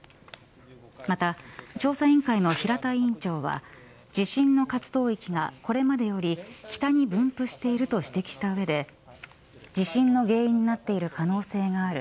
また、調査委員会の平田委員長は地震の活動域がこれまでより北に分布していると指摘した上で地震の原因になっている可能性がある。